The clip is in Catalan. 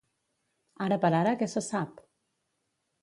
Ara per ara, què se sap?